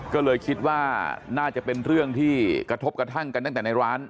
ก็เลยคิดว่าน่าจะเป็นเรื่องที่กระทบกระทั่งกันตั้งแต่ในร้าน